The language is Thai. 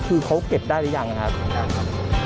คือเขาเก็บได้หรือยังนะครับ